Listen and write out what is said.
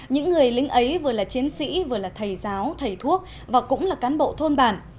những người lính ấy vừa là chiến sĩ vừa là thầy giáo thầy thuốc và cũng là cán bộ thôn bản